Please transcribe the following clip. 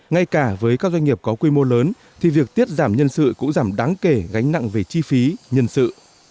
ngay cả với các doanh nghiệp có quy mô lớn thì việc tiết giảm nhân sự cũng giảm đáng kể gánh nặng về chi phí nhân sự